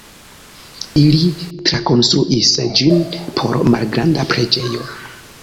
Ili trakonstruis ĝin por malgranda preĝejo.